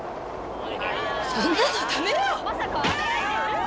そんなのだめよ！